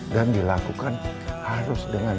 dan dilakukan harus dengan